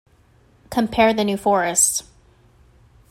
Compare the New Forest.